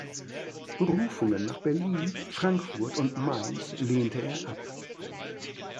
Berufungen nach Berlin, Frankfurt und Mainz lehnte er ab.